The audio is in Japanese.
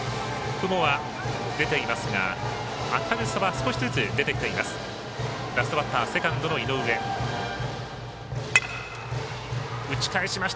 雲は出ていますが、明るさは少しずつ出てきています。